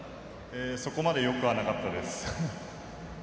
そこまでよくはなかったです。